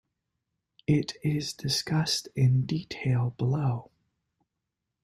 It is discussed in detail below.